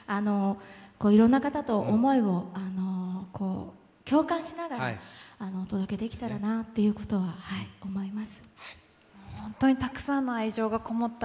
いろんな方と思いを共感しながら、お届けできたらなと思います。